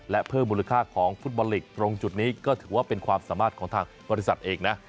และเพิ่มมูลค่าของฟุตบอลลีกตรงจุดนี้ก็ถือว่าเป็นความสามารถของทางบริษัทเองนะ